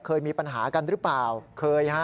เคยมีปัญหากันหรือเปล่าเคยฮะ